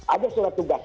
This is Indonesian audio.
ada surat tugas